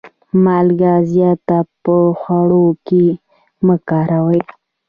مالګه زیاته په خوړو کي مه کاروئ.